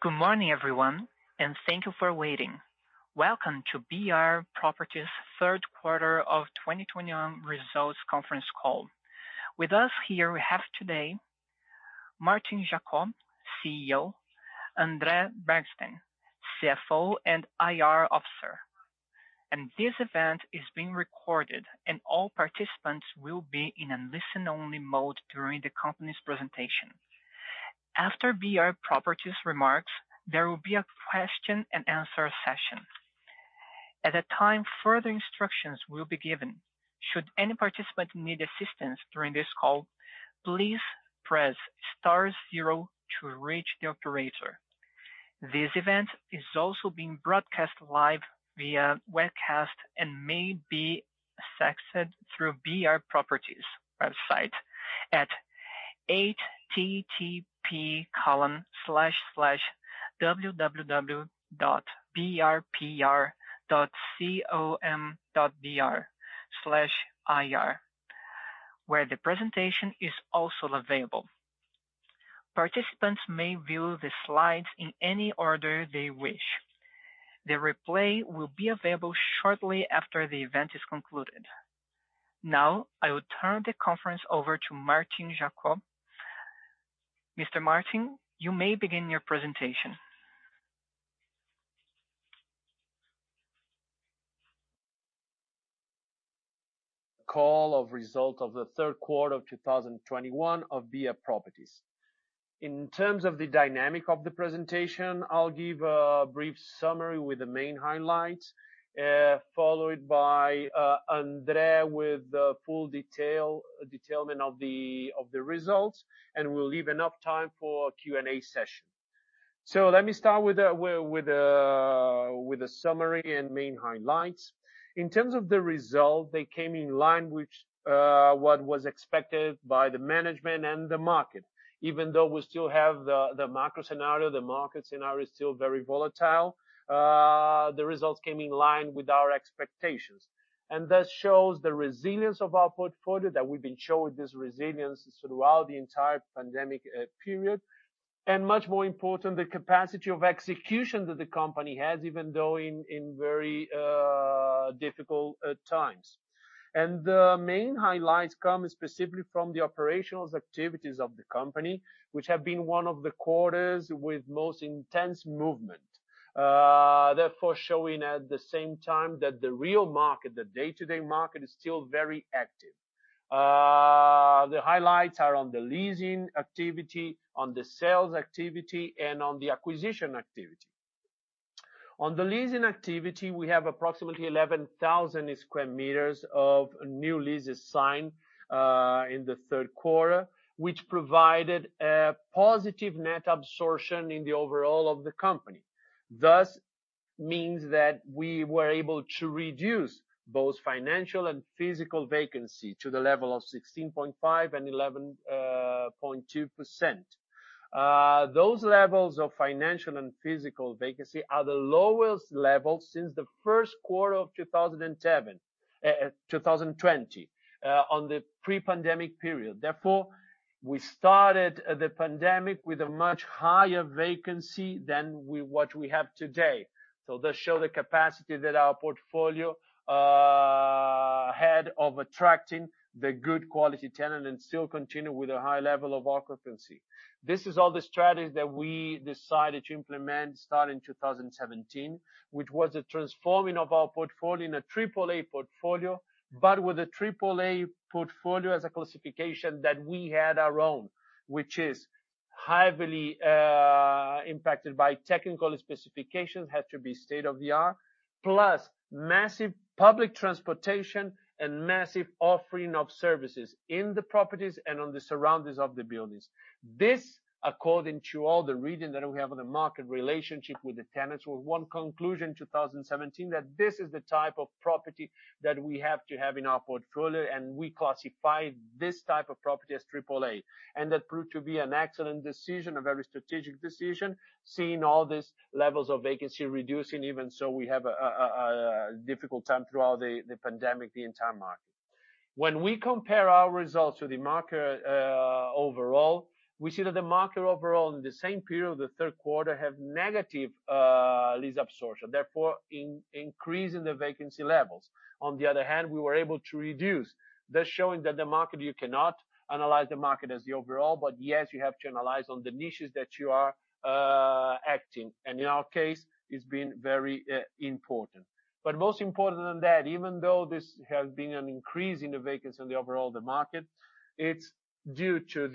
Good morning everyone, thank you for waiting. Welcome to BR Properties Q3 of 2021 results conference call. With us here we have today Martín Jaco, CEO, André Bergstein, CFO and IR officer. This event is being recorded and all participants will be in a listen-only mode during the company's presentation. After BR Properties remarks, there will be a Q&A session. At that time, further instructions will be given. Should any participant need assistance during this call, please press star zero to reach the operator. This event is also being broadcast live via webcast and may be accessed through BR Properties website at http://www.brpr.com.br/ir, where the presentation is also available. Participants may view the slides in any order they wish. The replay will be available shortly after the event is concluded. Now, I will turn the conference over to Martín Jaco. Martín, you may begin your presentation. Call of result of the Q3 of 2021 of BR Properties. In terms of the dynamic of the presentation, I'll give a brief summary with the main highlights, followed by André with the full detailment of the results, and we'll leave enough time for a Q&A session. Let me start with the summary and main highlights. In terms of the result, they came in line with what was expected by the management and the market. Even though we still have the macro scenario, the market scenario is still very volatile, the results came in line with our expectations. This shows the resilience of our portfolio, that we've been showing this resilience throughout the entire pandemic period, and much more important, the capacity of execution that the company has, even though in very difficult times. The main highlights come specifically from the operational activities of the company, which have been one of the quarters with most intense movement. Therefore showing at the same time that the real market, the day-to-day market is still very active. The highlights are on the leasing activity, on the sales activity and on the acquisition activity. On the leasing activity, we have approximately 11,000 square meter of new leases signed in the Q3, which provided a positive net absorption in the overall of the company. Thus means that we were able to reduce both financial and physical vacancy to the level of 16.5 and 11.2%. Those levels of financial and physical vacancy are the lowest levels since the Q1 of 2020 on the pre-pandemic period. Therefore, we started the pandemic with a much higher vacancy than what we have today. This show the capacity that our portfolio had of attracting the good quality tenant and still continue with a high level of occupancy. This is all the strategies that we decided to implement starting 2017, which was the transforming of our portfolio in a Triple-A portfolio, with a Triple-A portfolio as a classification that we had our own, which is heavily impacted by technical specifications, have to be state-of-the-art, plus massive public transportation and massive offering of services in the properties and on the surroundings of the buildings. This, according to all the reading that we have on the market relationship with the tenants, with one conclusion in 2017 that this is the type of property that we have to have in our portfolio, and we classify this type of property as Triple-A. That proved to be an excellent decision, a very strategic decision, seeing all these levels of vacancy reducing, even so we have a difficult time throughout the pandemic, the entire market. When we compare our results to the market overall, we see that the market overall in the same period of the Q3 have negative lease absorption, therefore increasing the vacancy levels. On the other hand, we were able to reduce. That's showing that the market, you cannot analyze the market as the overall, but yes, you have to analyze on the niches that you are acting. In our case, it's been very important. Most important than that, even though this has been an increase in the vacancy on the overall the market, it's due to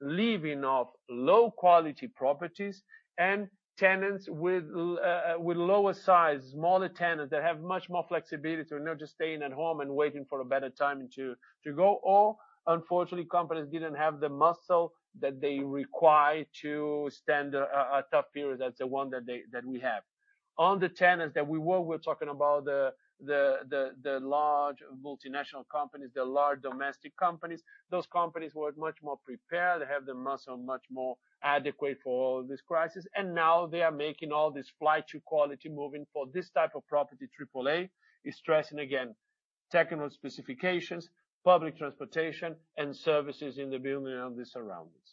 the leaving of low-quality properties and tenants with lower size, smaller tenants that have much more flexibility and they're just staying at home and waiting for a better time to go, or unfortunately, companies didn't have the muscle that they require to stand a tough period as the one that we have. On the tenants that we're talking about the large multinational companies, the large domestic companies. Those companies were much more prepared. They have the muscle much more adequate for this crisis. Now they are making all this flight to quality, moving for this type of property, Triple-A, is stressing again. Technical specifications, public transportation and services in the building and the surroundings.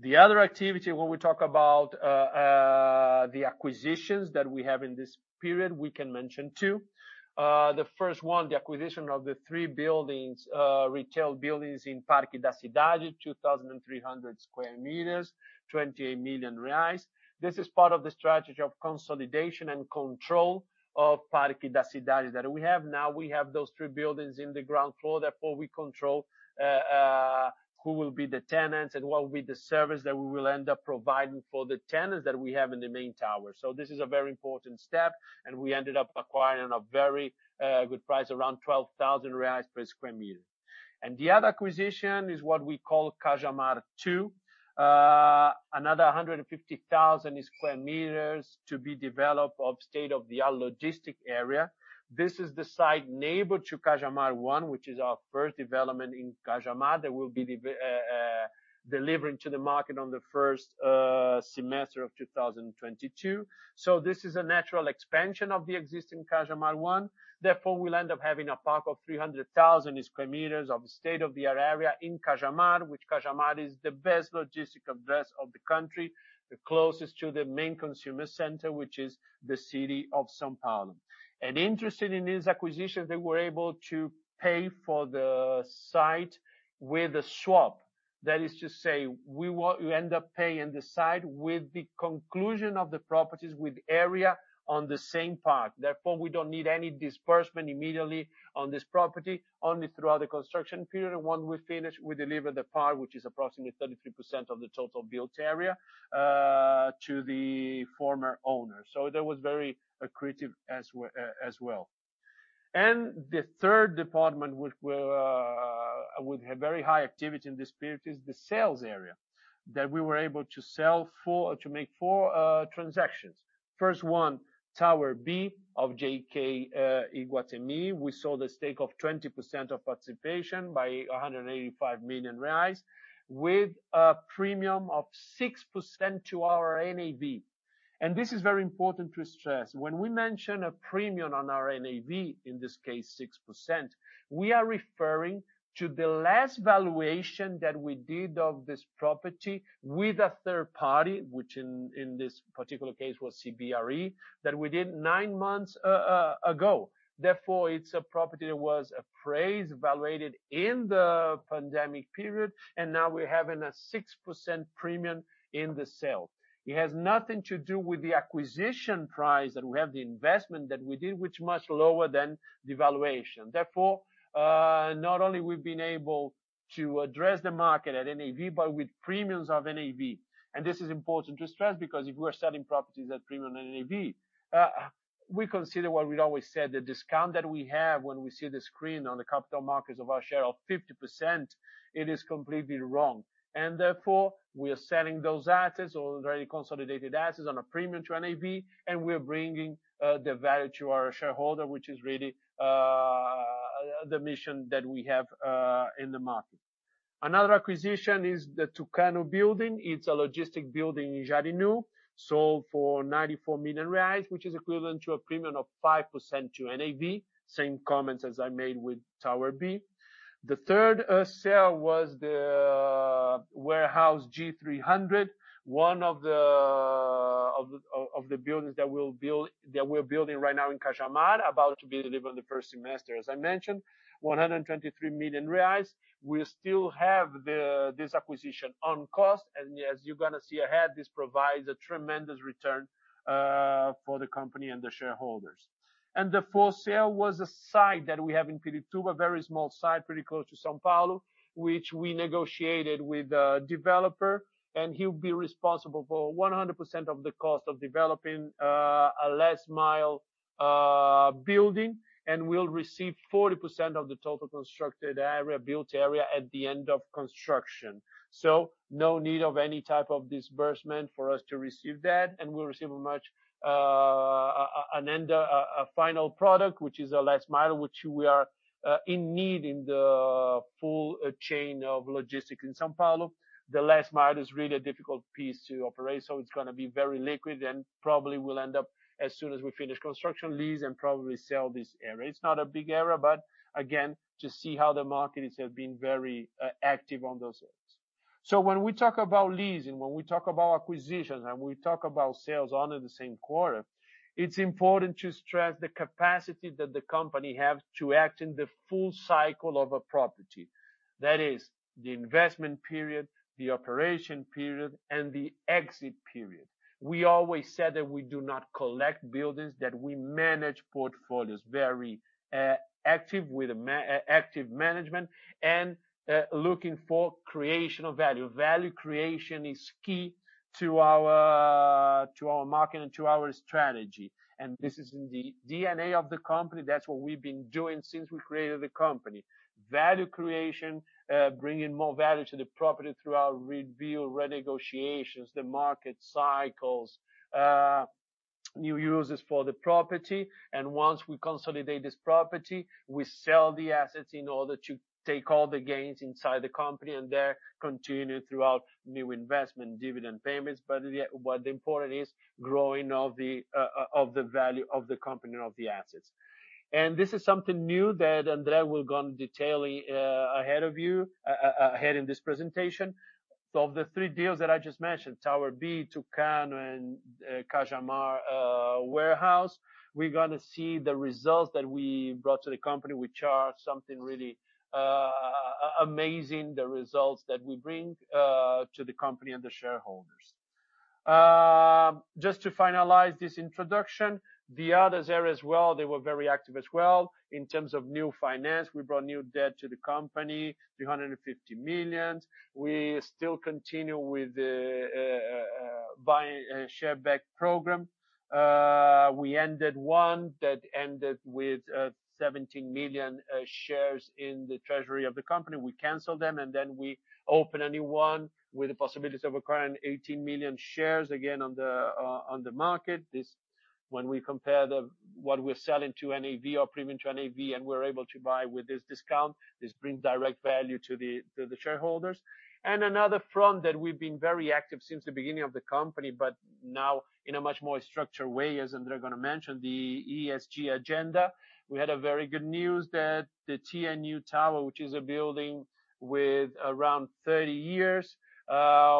The other activity when we talk about the acquisitions that we have in this period, we can mention two. The first one, the acquisition of the three buildings, retail buildings in Parque da Cidade, 2,300 square meter, 28 million reais. This is part of the strategy of consolidation and control of Parque da Cidade that we have now. We have those three buildings in the ground floor, therefore, we control who will be the tenants and what will be the service that we will end up providing for the tenants that we have in the main tower. This is a very important step, and we ended up acquiring a very good price, around 12,000 reais per square meter. The other acquisition is what we call Cajamar Two. Another 150,000 square meter to be developed of state-of-the-art logistic area. This is the site neighbor to Cajamar One, which is our first development in Cajamar that will be delivering to the market on the first semester of 2022. This is a natural expansion of the existing Cajamar One. Therefore, we will end up having a park of 300,000 square meter of state-of-the-art area in Cajamar, which Cajamar is the best logistic address of the country, the closest to the main consumer center, which is the city of São Paulo. Interesting in this acquisition, they were able to pay for the site with a swap. That is to say we end up paying the site with the conclusion of the properties with area on the same park. Therefore, we don't need any disbursement immediately on this property, only throughout the construction period. When we finish, we deliver the park, which is approximately 33% of the total built area to the former owner. That was very accretive as well. The third department which will, with a very high activity in this period is the sales area, that we were able to make four transactions. First one, Tower B of JK. We sold a stake of 20% of participation by 185 million reais with a premium of 6% to our NAV. This is very important to stress. When we mention a premium on our NAV, in this case 6%, we are referring to the last valuation that we did of this property with a third party, which in this particular case was CBRE, that we did nine months ago. It's a property that was appraised, valuated in the pandemic period, and now we're having a 6% premium in the sale. It has nothing to do with the acquisition price that we have, the investment that we did, which much lower than the valuation. Not only we've been able to address the market at NAV, but with premiums of NAV. This is important to stress because if we are selling properties at premium NAV, we consider what we always said, the discount that we have when we see the screen on the capital markets of our share of 50%, it is completely wrong. Therefore, we are selling those assets, already consolidated assets on a premium to NAV, and we are bringing the value to our shareholder, which is really the mission that we have in the market. Acquisition is the Tucano building. It's a logistic building in Jarinu, sold for R$94 million, which is equivalent to a premium of 5% to NAV. Same comments as I made with Tower B. The third sale was the warehouse G300, one of the buildings that we're building right now in Cajamar, about to be delivered in the first semester, as I mentioned. 123 million reais. We still have this acquisition on cost and as you're gonna see ahead, this provides a tremendous return for the company and the shareholders. The fourth sale was a site that we have in Pirituba, very small site, pretty close to São Paulo, which we negotiated with a developer and he'll be responsible for 100% of the cost of developing a last mile building and we'll receive 40% of the total constructed area, built area at the end of construction. No need of any type of disbursement for us to receive that, and we'll receive a much, an end, a final product, which is a last mile, which we are in need in the full chain of logistics in São Paulo. The last mile is really a difficult piece to operate, so it's gonna be very liquid and probably will end up as soon as we finish construction, lease and probably sell this area. It's not a big area, but again, to see how the market has been very active on those areas. When we talk about leasing, when we talk about acquisitions and we talk about sales all in the same quarter, it's important to stress the capacity that the company have to act in the full cycle of a property. That is the investment period, the operation period, and the exit period. We always said that we do not collect buildings, that we manage portfolios, very active with active management and looking for creation of value. Value creation is key to our market and to our strategy. This is in the DNA of the company. That's what we've been doing since we created the company. Value creation, bringing more value to the property through our review, renegotiations, the market cycles, new uses for the property. Once we consolidate this property, we sell the assets in order to take all the gains inside the company and there continue throughout new investment dividend payments. The, what important is growing of the value of the company, of the assets. This is something new that André will go in detail ahead of you ahead in this presentation. Of the three deals that I just mentioned, Tower B, Tucano, and Cajamar warehouse, we're gonna see the results that we brought to the company, which are something really amazing, the results that we bring to the company and the shareholders. Just to finalize this introduction, the others areas as well, they were very active as well. In terms of new finance, we brought new debt to the company, 350 million. We still continue with the buy and share back program. We ended one that ended with 17 million shares in the treasury of the company. We canceled them, and then we open a new one with the possibility of acquiring 18 million shares again on the market. This, when we compare the, what we're selling to NAV or premium to NAV, and we're able to buy with this discount, this brings direct value to the shareholders. Another front that we've been very active since the beginning of the company, but now in a much more structured way, as André is gonna mention, the ESG agenda. We had a very good news that the TNU Tower, which is a building with around 30 years,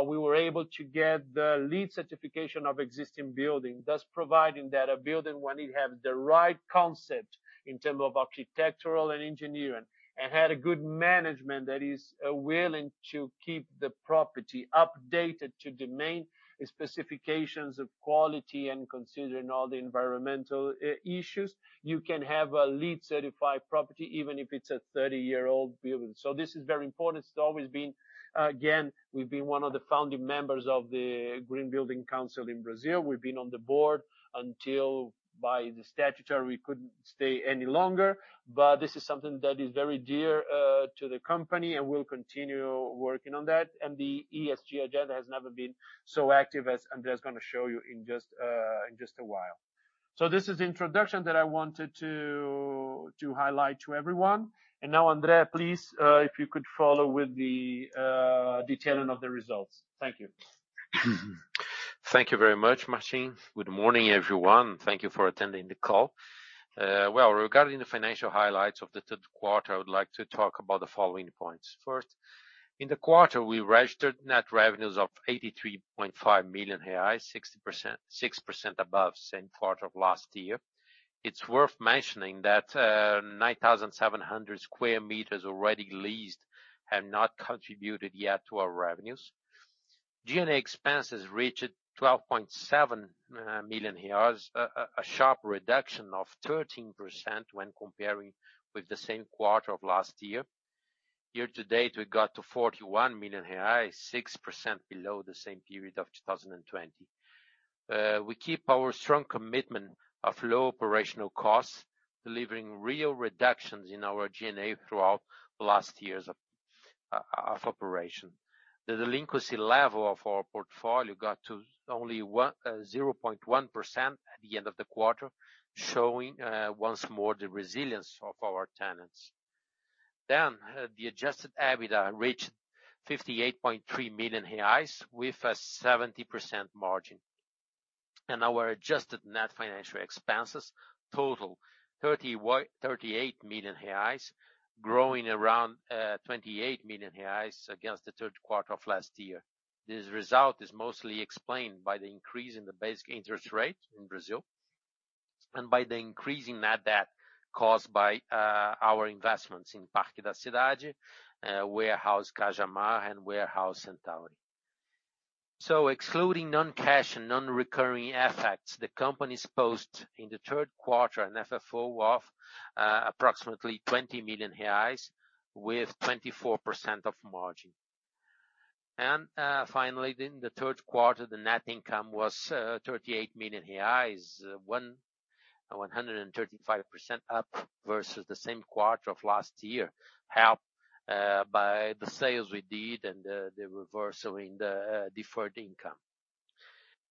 we were able to get the LEED certification of existing building, thus providing that a building, when it has the right concept in terms of architectural and engineering and had a good management that is willing to keep the property updated to the main specifications of quality and considering all the environmental issues, you can have a LEED certified property, even if it's a 30-year-old building. This is very important. It's always been. Again, we've been one of the founding members of the Green Building Council Brasil. We've been on the board until by the statutory, we couldn't stay any longer. This is something that is very dear to the company, and we'll continue working on that. The ESG agenda has never been so active as André is gonna show you in just in just a while. This is introduction that I wanted to highlight to everyone. Now, André, please, if you could follow with the detailing of the results. Thank you. Thank you very much, Martín. Good morning, everyone. Thank you for attending the call. Well, regarding the financial highlights of the Q3, I would like to talk about the following points. First, in the quarter, we registered net revenues of 83.5 million reais, 6% above same quarter of last year. It's worth mentioning that 9,700 square meter already leased have not contributed yet to our revenues. G&A expenses reached BRL 12.7 million, a sharp reduction of 13% when comparing with the same quarter of last year. Year to date, we got to 41 million reais, 6% below the same period of 2020. We keep our strong commitment of low operational costs, delivering real reductions in our G&A throughout the last years of operation. The delinquency level of our portfolio got to only 0.1% at the end of the quarter, showing once more the resilience of our tenants. The adjusted EBITDA reached 58.3 million reais with a 70% margin. Our adjusted net financial expenses total 38 million reais, growing around 28 million reais against the Q3 of last year. This result is mostly explained by the increase in the basic interest rate in Brazil and by the increase in net debt caused by our investments in Parque da Cidade, warehouse Cajamar, and warehouse Centauri. Excluding non-cash and non-recurring effects, the company's post in the Q3, an FFO of approximately 20 million reais with 24% of margin. Finally, in the Q3, the net income was 38 million reais, 135% up versus the same quarter of last year, helped by the sales we did and the reversal in the deferred income.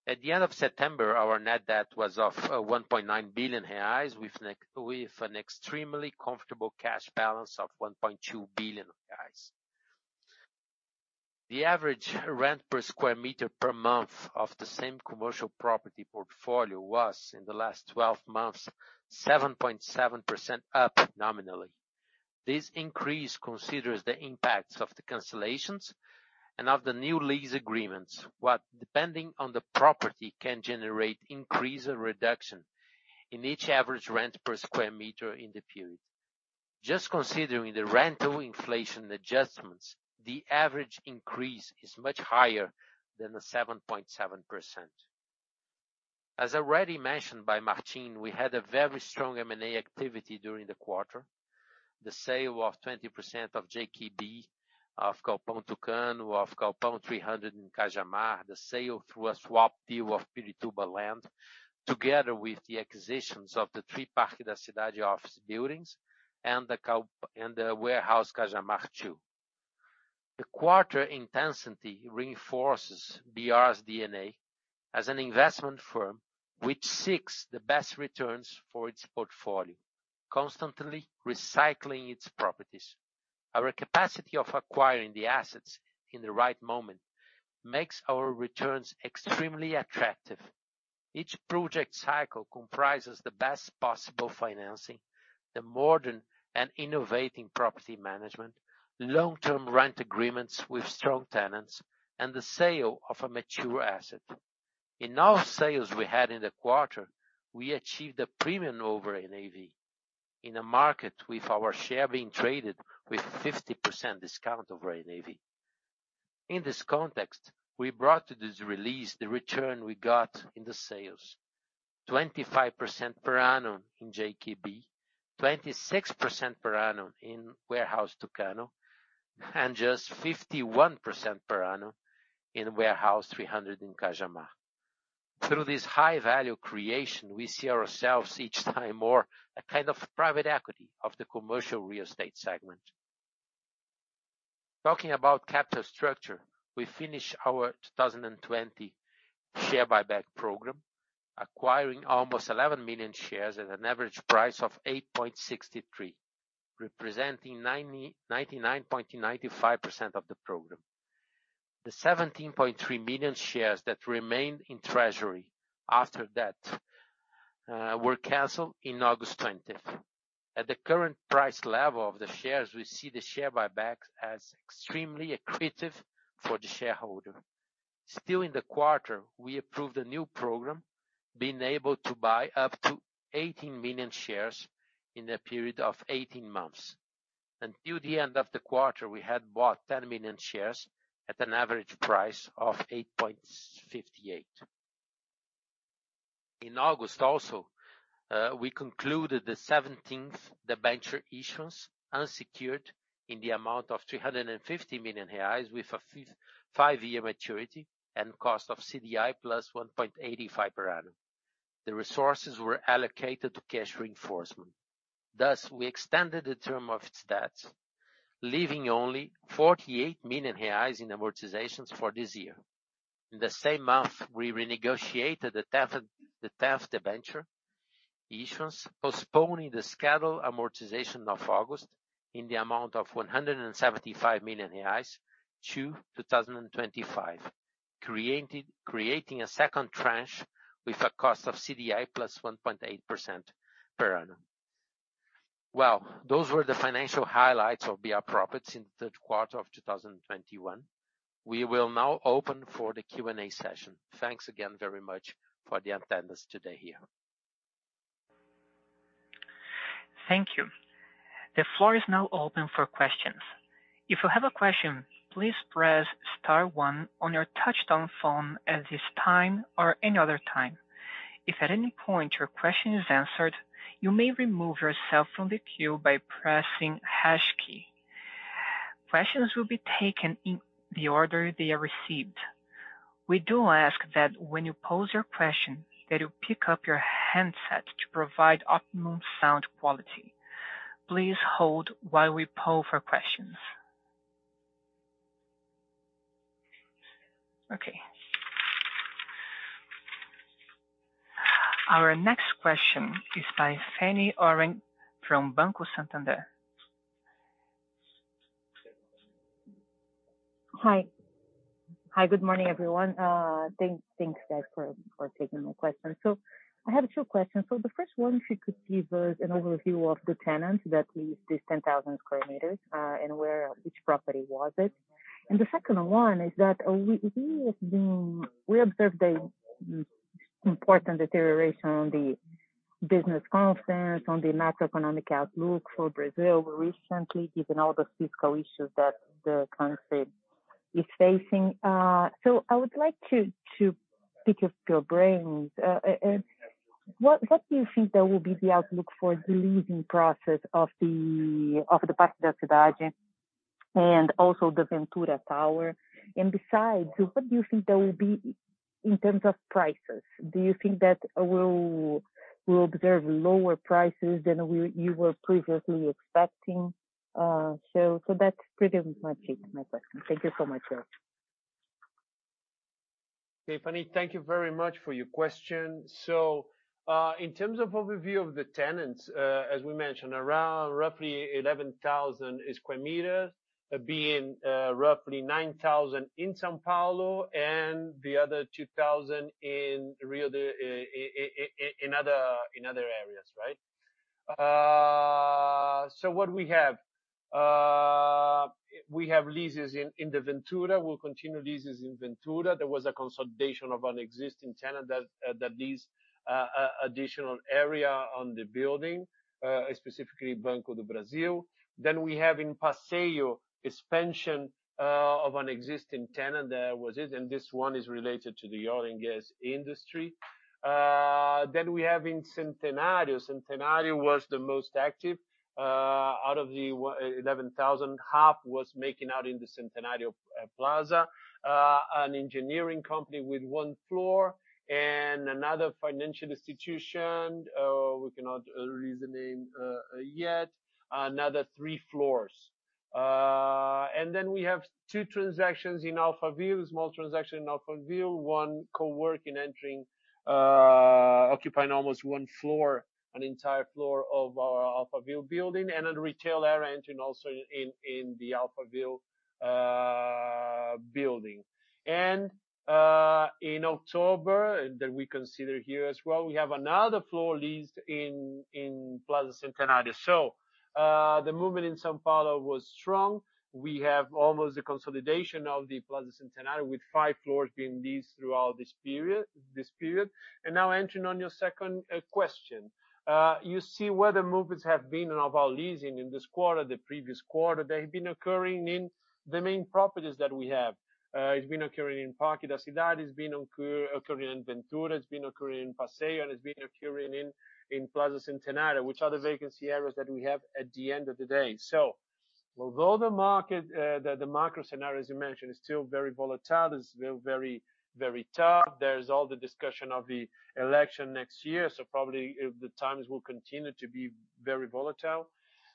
At the end of September, our net debt was of 1.9 billion reais with an extremely comfortable cash balance of 1.2 billion reais. The average rent per square meter per month of the same commercial property portfolio was, in the last 12 months, 7.7% up nominally. This increase considers the impacts of the cancellations and of the new lease agreements, while depending on the property, can generate increase or reduction in each average rent per square meter in the period. Just considering the rental inflation adjustments, the average increase is much higher than the 7.7%. As already mentioned by Martín, we had a very strong M&A activity during the quarter. The sale of 20% of JK B, of warehouse Tucano, of warehouse 300 in Cajamar, the sale through a swap deal of Pirituba Land, together with the acquisitions of the three Parque da Cidade office buildings and the warehouse Cajamar two. The quarter intensity reinforces BR's DNA as an investment firm which seeks the best returns for its portfolio, constantly recycling its properties. Our capacity of acquiring the assets in the right moment makes our returns extremely attractive. Each project cycle comprises the best possible financing, the modern and innovating property management, long-term rent agreements with strong tenants, and the sale of a mature asset. In all sales we had in the quarter, we achieved a premium over NAV in a market with our share being traded with 50% discount over NAV. In this context, we brought to this release the return we got in the sales. 25% per annum in JK B, 26% per annum in warehouse Tucano, and just 51% per annum in warehouse 300 in Cajamar. Through this high value creation, we see ourselves each time more a kind of private equity of the commercial real estate segment. Talking about capital structure, we finish our 2020 share buyback program, acquiring almost 11 million shares at an average price of 8.63, representing 99.95% of the program. The 17.3 million shares that remained in Treasury after that were canceled in August 20th. At the current price level of the shares, we see the share buybacks as extremely accretive for the shareholder. Still in the quarter, we approved a new program being able to buy up to 18 million shares in a period of 18 months. Until the end of the quarter, we had bought 10 million shares at an average price of 8.58. In August also, we concluded the 17th debenture issuance unsecured in the amount of 350 million reais, with a 5-year maturity and cost of CDI plus 1.85% per annum. The resources were allocated to cash reinforcement. Thus, we extended the term of its debt, leaving only 48 million reais in amortizations for this year. In the same month, we renegotiated the 10th debenture issuance, postponing the scheduled amortization of August in the amount of R$175 million to 2025, creating a second tranche with a cost of CDI plus 1.8% per annum. Well, those were the financial highlights of BR Properties in the Q3 of 2021. We will now open for the Q&A session. Thanks again very much for the attendance today here. Thank you. The floor is now open for questions. If you have a question please press star one on your touch down phone at this time or any other time. If any point your question is answered, you may remove yourself from the queue by pressing hash Key. Questions will be taken in the order that they were heed We do ask that when asking your pose a question, you will pick on your handset to provide optimum sound quality. Please pause while we wait for question. Okay. Our next question is by Fanny Oreng from Banco Santander. Hi. Hi, good morning, everyone. Thanks guys for taking my question. I have two questions. The first one, if you could give us an overview of the tenants that leased these 10,000 square meter, and where, which property was it. The second one is that we observed an important deterioration on the business confidence on the macroeconomic outlook for Brazil recently, given all the fiscal issues that the country is facing. I would like to pick your brains. What do you think that will be the outlook for the leasing process of the Passeio Corporate and also the Ventura Tower? Besides, what do you think that will be in terms of prices? Do you think that we'll observe lower prices than you were previously expecting? That's pretty much it, my question. Thank you so much, guys. Okay, Fanny Oreng, thank you very much for your question. In terms of overview of the tenants, as we mentioned, around roughly 11,000 square meter, being roughly 9,000 in São Paulo and the other 2,000 in other areas, right? What we have. We have leases in the Ventura. We'll continue leases in Ventura. There was a consolidation of an existing tenant that leased additional area on the building, specifically Banco do Brasil. We have in Passeio, expansion of an existing tenant, and this one is related to the oil and gas industry. We have in Centenário. Centenário was the most active. Out of the 11,000, half was making out in the Plaza Centenário, an engineering company with 1 floor and another financial institution, we cannot release the name, yet, another 3 floors. Then we have two transactions in Alphaville, small transaction in Alphaville, one co-work in entering, occupying almost one floor, an entire floor of our Alphaville building and a retail area entering also in the Alphaville building. In October that we consider here as well, we have another floor leased in Plaza Centenário. The movement in São Paulo was strong. We have almost the consolidation of the Plaza Centenário with five floors being leased throughout this period. Now entering on your second question. You see where the movements have been of our leasing in this quarter, the previous quarter, they've been occurring in the main properties that we have. It's been occurring in Parque da Cidade, it's been occurring in Ventura, it's been occurring in Passeio, and it's been occurring in Plaza Centenário, which are the vacancy areas that we have at the end of the day. Although the market, the macro scenario as you mentioned, is still very volatile, is very tough. There's all the discussion of the election next year, probably if the times will continue to be very volatile.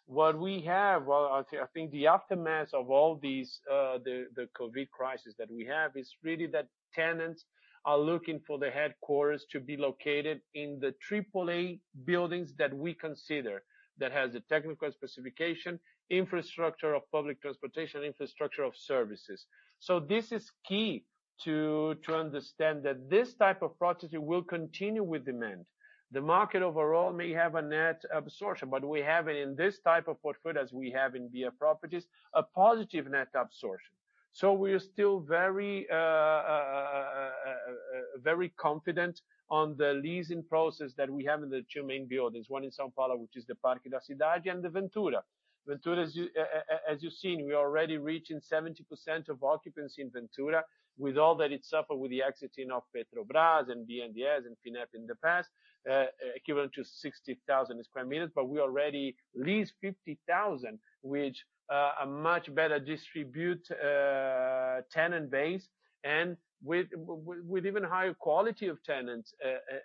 What we have, well, I think the aftermath of all these, the COVID crisis that we have is really that tenants are looking for the headquarters to be located in the Triple-A buildings that we consider that has the technical specification, infrastructure of public transportation, infrastructure of services. This is key to understand that this type of property will continue with demand. The market overall may have a net absorption, we have in this type of portfolios we have in BR Properties, a positive net absorption. We are still very confident on the leasing process that we have in the two main buildings, one in São Paulo, which is the Parque da Cidade and the Ventura. Ventura, as you've seen, we are already reaching 70% of occupancy in Ventura with all that it suffered with the exiting of Petrobras and BNDES and Finep in the past, equivalent to 60,000 square meter. We already leased 50,000, which a much better distribute tenant base and with even higher quality of tenants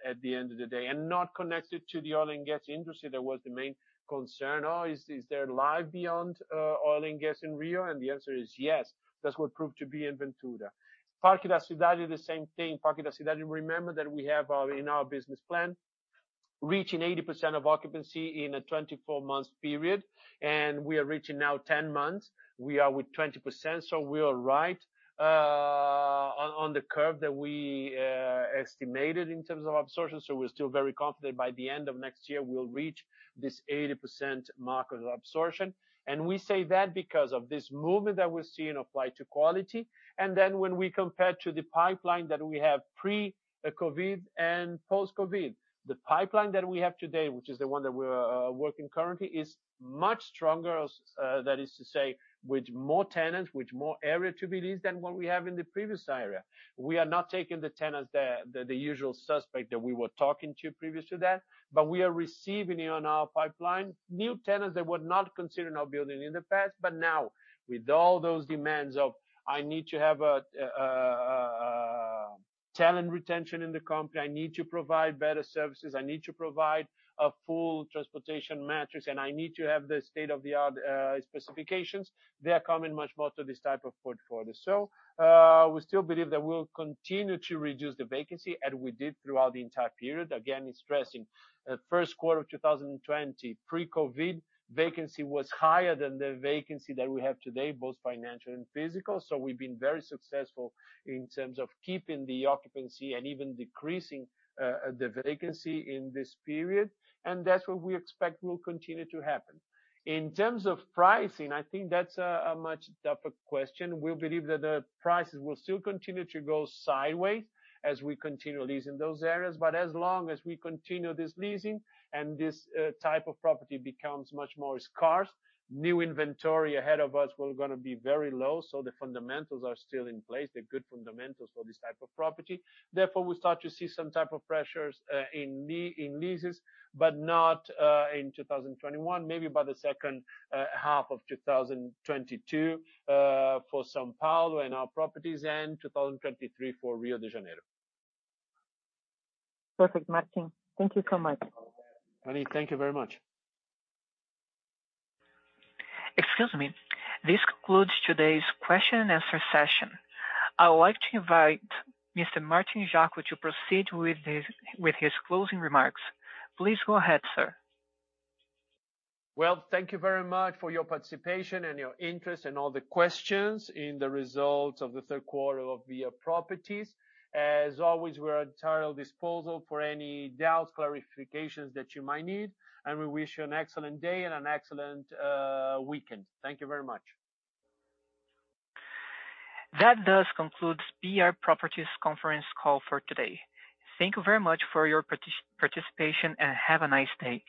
at the end of the day, and not connected to the oil and gas industry. That was the main concern. Oh, is there life beyond oil and gas in Rio? The answer is yes. That's what proved to be in Ventura. Parque da Cidade is the same thing. Parque da Cidade, remember that we have our, in our business plan, reaching 80% of occupancy in a 24-month period, and we are reaching now 10 months. We are with 20%, so we are right on the curve that we estimated in terms of absorption. We're still very confident by the end of next year we'll reach this 80% market absorption. We say that because of this movement that we're seeing flight to quality, and then when we compare to the pipeline that we have pre-COVID and post-COVID. The pipeline that we have today, which is the one that we're working currently, is much stronger, that is to say, with more tenants, with more area to be leased than what we have in the previous area. We are not taking the tenants, the usual suspect that we were talking to previous to that. We are receiving on our pipeline new tenants that were not considering our building in the past. Now with all those demands of, I need to have a talent retention in the company, I need to provide better services, I need to provide a full transportation matrix, and I need to have the state-of-the-art specifications. They are coming much more to this type of portfolio. We still believe that we'll continue to reduce the vacancy as we did throughout the entire period. Again, stressing the Q1 of 2020 pre-COVID vacancy was higher than the vacancy that we have today, both financial and physical. We've been very successful in terms of keeping the occupancy and even decreasing the vacancy in this period. That's what we expect will continue to happen. In terms of pricing, I think that's a much tougher question. We believe that the prices will still continue to go sideways as we continue leasing those areas. As long as we continue this leasing and this type of property becomes much more scarce, new inventory ahead of us will gonna be very low, so the fundamentals are still in place, the good fundamentals for this type of property. We start to see some type of pressures, in leases, but not, in 2021, maybe by the second half of 2022, for São Paulo and our properties and 2023 for Rio de Janeiro. Perfect, Martín. Thank you so much. Fanny Oreng, thank you very much. Excuse me. This concludes today's Q&A session. I would like to invite Mr. Martín Jaco to proceed with his closing remarks. Please go ahead, sir. Well, thank you very much for your participation and your interest and all the questions in the results of the Q3 of BR Properties. As always, we're at your disposal for any doubts, clarifications that you might need, and we wish you an excellent day and an excellent weekend. Thank you very much. That does conclude BR Properties conference call for today. Thank you very much for your participation, and have a nice day.